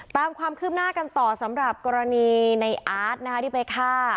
ตามความคืบหน้ากันต่อสำหรับกรณีในอาร์ตที่ไปฆ่า